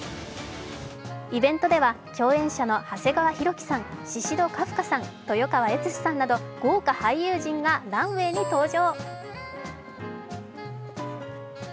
イベントでは共演者の長谷川博己さん、シシド・カフカさん、豊川悦司さんなど豪華俳優陣がランウェイに登場。